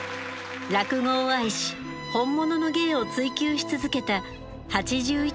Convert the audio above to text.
落語を愛し本物の芸を追求し続けた８１年の生涯でした。